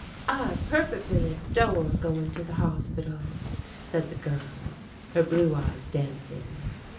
"I perfectly adore going to the hospital," said the girl, her blue eyes dancing.